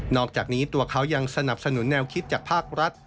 อกจากนี้ตัวเขายังสนับสนุนแนวคิดจากภาครัฐ